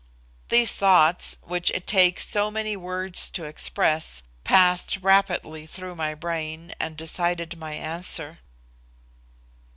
These thoughts, which it takes so many words to express, passed rapidly through my brain and decided my answer.